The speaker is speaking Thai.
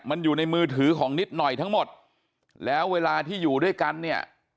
มันอยู่ในมือถือของนิดหน่อยทั้งหมดแล้วเวลาที่อยู่ด้วยกันเนี่ย